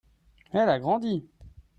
elle a grandi.